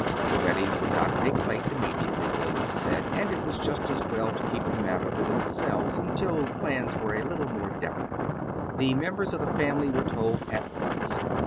The wedding would not take place immediately, William said, and it was just as well to keep the matter to themselves until plans were a little more definite. The members of the family were told at once.